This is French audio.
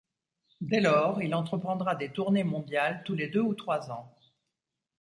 Dès lors, il entreprendra des tournées mondiales tous les deux ou trois ans.